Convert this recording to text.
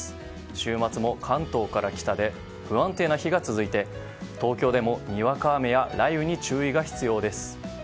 週末も関東から北で不安定な日が続いて東京でも、にわか雨や雷雨に注意が必要です。